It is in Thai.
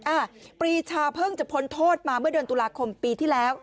อ่ะปรีชาเพิ่งจะพ้นโทษมาเมื่อเดือนตุลาคมปีที่แล้ว